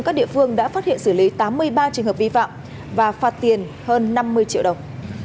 các địa phương đã phát hiện xử lý tám mươi ba trường hợp vi phạm và phạt tiền hơn năm mươi triệu đồng